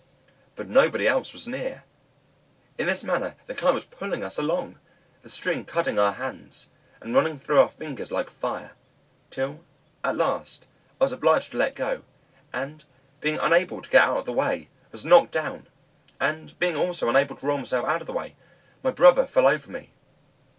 But nobody else was near. In this manner the Kite was pulling us along, the string cutting our hands, and running through our fingers like fire, till at last I was obliged to let go, and being unable to get out of the way, was knocked down, and being also unable to roll myself out of the way, my brother fell over me.